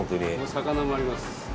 魚もあります。